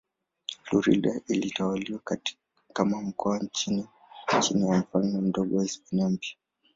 Florida ilitawaliwa kama mkoa chini ya Ufalme Mdogo wa Hispania Mpya.